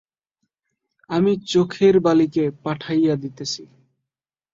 আমি চোখের বালিকে পাঠাইয়া দিতেছি।